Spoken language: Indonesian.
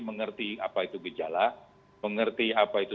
mengerti apa itu gejala mengerti apa itu